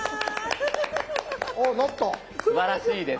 すばらしいです。